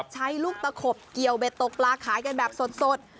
ใช้ลูกตะขบเกี่ยวเบ็ดตกปลาขายกันแบบสด